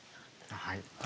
はい。